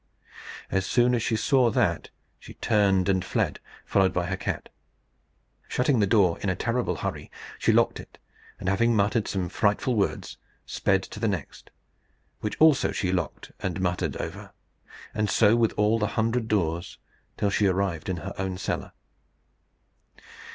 As soon as she saw that, she turned and fled, followed by her cat. Shutting the door in a terrible hurry, she locked it, and having muttered some frightful words, sped to the next, which also she locked and muttered over; and so with all the hundred doors, till she arrived in her own cellar.